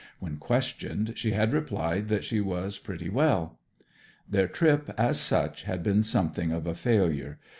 When questioned she had replied that she was pretty well. Their trip, as such, had been something of a failure.